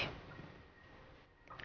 kamu kenapa begini sih